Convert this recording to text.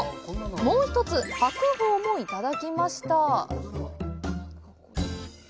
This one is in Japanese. もう一つ、白鳳もいただきました。